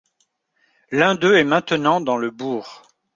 L'un d'eux est maintenant dans le bourg.